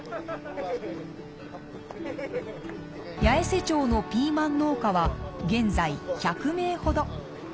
八重瀬町のピーマン農家は現在１００名ほど。